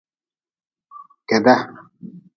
Keda.